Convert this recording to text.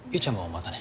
またね。